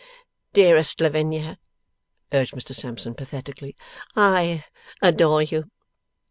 'Dearest Lavinia,' urged Mr Sampson, pathetically, 'I adore you.